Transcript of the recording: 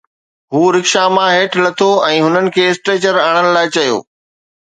هو رڪشا مان هيٺ لٿو ۽ هنن کي اسٽريچر آڻڻ لاءِ چيو